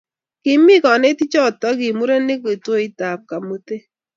kimi kanetichoto ki murenik kituoitab Kamuthe